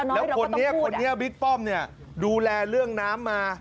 แล้วคนนี้คนนี้บิ๊กป้อมเนี่ยดูแลเรื่องน้ำมา